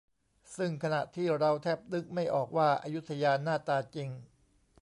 ซึ่งขณะที่เราแทบนึกไม่ออกว่าอยุธยาหน้าตาจริง